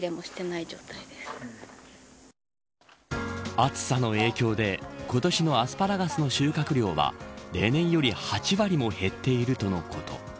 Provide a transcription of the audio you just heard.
暑さの影響で今年のアスパラガスの収穫量は例年より８割も減っているとのこと。